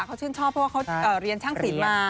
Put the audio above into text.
เขาชื่นชอบเพราะว่าเขาเรียนช่างศิลป์มา